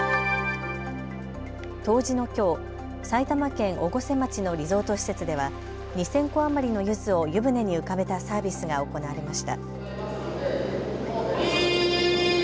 冬至のきょう、埼玉県越生町のリゾート施設では２０００個余りのゆずを湯船に浮かべたサービスが行われました。